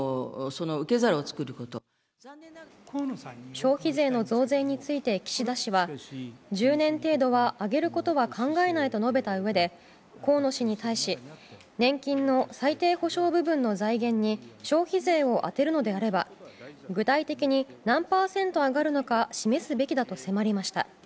消費税の増税について岸田氏は、１０年程度は上げることは考えないと述べたうえで、河野氏に対し年金の最低保障部分の財源に消費税を充てるのであれば具体的に何パーセント上がるのか示すべきだと迫りました。